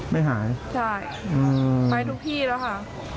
ไม่หายใช่ไปทุกที่แล้วค่ะ